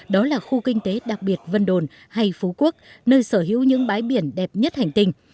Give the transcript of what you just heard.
đó là khu kinh tế đặc biệt vân đồn hay phú quốc nơi sở hữu những bãi biển đẹp nhất hành tinh